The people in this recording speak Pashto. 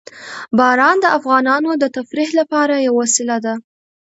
باران د افغانانو د تفریح لپاره یوه وسیله ده.